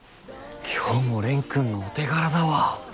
今日も蓮くんのお手柄だわ。